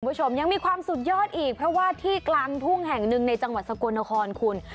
คุณผู้ชมยังมีความสุดยอดอีกเพราะว่าที่กลางทุ่งแห่งหนึ่งในจังหวัดสกลนครคุณ